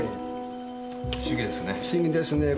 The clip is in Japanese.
不思議ですねえ。